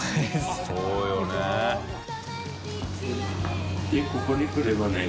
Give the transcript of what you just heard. そうよね。